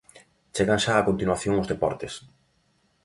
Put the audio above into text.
Chegan xa a continuación os deportes.